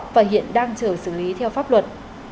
và hiện đang trở xử lý theo pháp luật